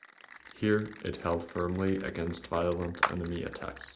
Here it held firmly against violent enemy attacks.